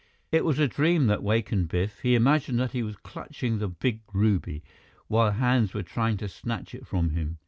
It was a dream that wakened Biff. He imagined that he was clutching the big ruby, while hands were trying to snatch it from him.